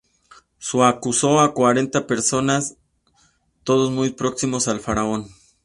Se acusó a cuarenta personas, todas muy próximas al faraón.